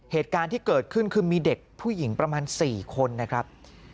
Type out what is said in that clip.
เหตุการณ์ที่เกิดขึ้นคือมีเด็กผู้หญิงประมาณ๔คนนะครับ